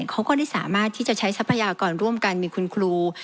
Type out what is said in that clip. เขาก็ได้สามารถที่จะใช้ทรัพยากรร่วมกันมีคุณครู